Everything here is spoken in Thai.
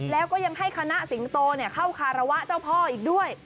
แล้วก็ยังให้คณะสิงโตเข้าคารวะเจ้าพ่ออีกด้วย